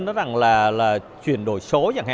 đó là chuyển đổi số